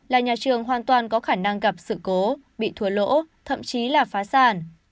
là nhà trường hoàn toàn có khả năng gặp sự cố bị thua lỗ thậm chí là phá sản